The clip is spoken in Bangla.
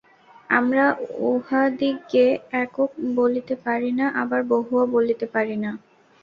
আমরা উহাদিগকে একও বলিতে পারি না, আবার বহুও বলিতে পারি না।